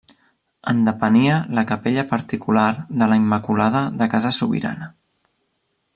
En depenia la capella particular de la Immaculada de Casa Sobirana.